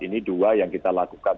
ini dua yang kita lakukan